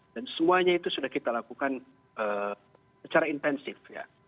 dan semuanya itu sudah kita lakukan secara intensif ya